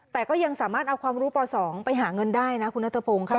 แต่ก็ยังสามารถเอาความรู้ป๒ไปหาเงินได้นะคุณนัทพงศ์ค่ะ